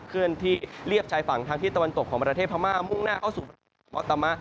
เคลื่อนที่เรียบชายฝั่งทางที่ตะวันตกของประเทศพม่ามุ่งหน้าเข้าสู่ประเทศมอตามะ